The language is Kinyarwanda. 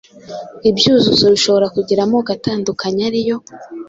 Ibyuzuzo bishobora kugira amoko atandukanye ari yo: